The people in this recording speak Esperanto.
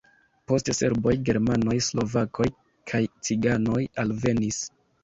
Poste serboj, germanoj, slovakoj kaj ciganoj alvenis.